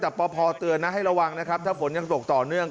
แต่ปพเตือนนะให้ระวังนะครับถ้าฝนยังตกต่อเนื่อง